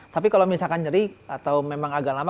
tapi kalau misalkan nyeri atau memang agak lama